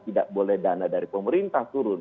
tidak boleh dana dari pemerintah turun